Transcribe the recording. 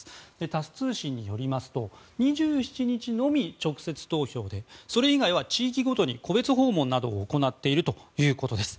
タス通信によりますと２７日のみ直接投票でそれ以外は地域ごとに戸別訪問などを行っているということです。